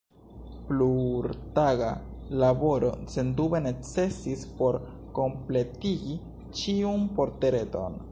Plurtaga laboro sendube necesis por kompletigi ĉiun portreton.